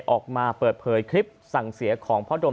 ออกมาเปิดเผยคลิปสั่งเสียของพ่อดม